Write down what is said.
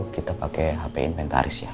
kita pakai hp inventaris ya